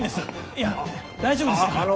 いや大丈夫ですから。